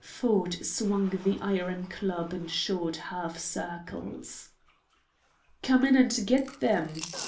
Ford swung the iron club in short half circles. "Come in and get them!"